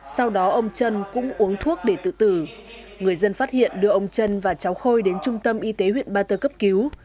sau đó ông trân cũng uống thuốc để tự tử người dân phát hiện đưa ông trân và cháu khôi đến trung tâm y tế huyện ba tơ cấp cứu